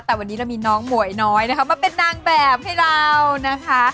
แต่วันนี้เรามีน้องหมวยน้อยนะคะมาเป็นนางแบบให้เรานะคะ